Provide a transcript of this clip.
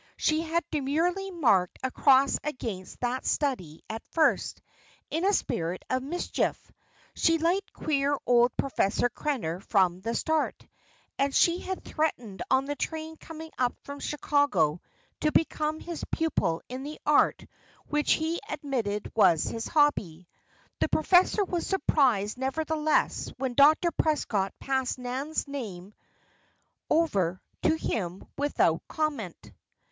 She had demurely marked a cross against that study at first, in a spirit of mischief. She liked queer old Professor Krenner from the start; and she had threatened on the train coming up from Chicago, to become his pupil in the art which he admitted was his hobby. The professor was surprised nevertheless when Dr. Prescott passed Nan's name over to him without comment.